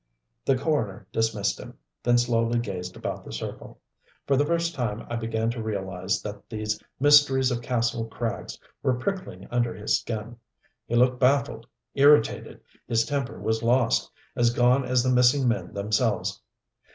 The coroner dismissed him, then slowly gazed about the circle. For the first time I began to realize that these mysteries of Kastle Krags were pricking under his skin. He looked baffled, irritated, his temper was lost, as gone as the missing men themselves.